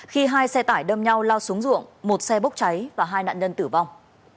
khi hai xe tải đâm nhau lao xuống ruộng một xe bốc cháy và hai nạn nhân tử vong